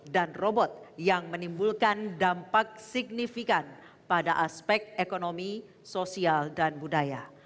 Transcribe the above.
robot yang menimbulkan dampak signifikan pada aspek ekonomi sosial dan budaya